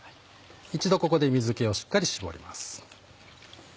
一度ここで水気をしっかり絞ります。